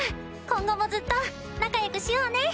今後もずっと仲良くしようね！